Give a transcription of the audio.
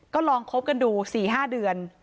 ก็ลองคบกันดูสี่ห้าเดือน